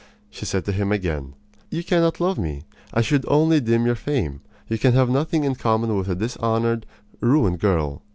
She said to him again: "You cannot love me. I should only dim your fame. You can have nothing in common with a dishonored, ruined girl.